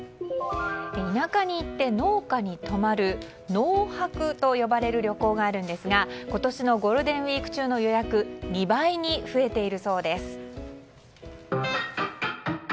田舎に行って農家に泊まる農泊と呼ばれる旅行があるんですが、今年のゴールデンウィーク中の予約２倍に増えているそうです。